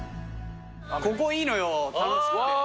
ここいいのよ楽しくて。